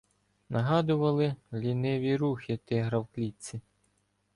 Нагадували "ліниві" рухи тигра в клітці.